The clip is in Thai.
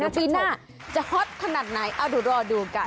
ปีหน้าจะฮอตขนาดไหนรอดูกัน